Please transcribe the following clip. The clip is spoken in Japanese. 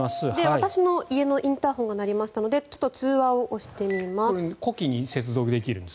私の家のインターホンが鳴りましたのでちょっと通話を押してみます。